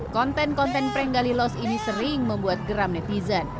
konten konten prank galih lost ini sering membuat geram netizen